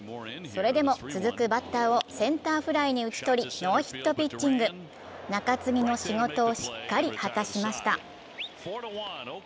それでも続くバッターをセンターフライに打ち取りノーヒットピッチング、中継ぎの仕事をしっかり果たしました。